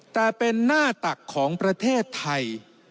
แต่เป็นหน้าตักของประเทศไทย